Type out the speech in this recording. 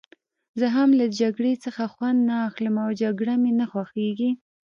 زه هم له جګړې څخه خوند نه اخلم او جګړه مې نه خوښېږي.